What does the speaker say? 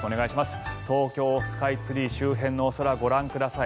東京スカイツリー周辺のお空ご覧ください。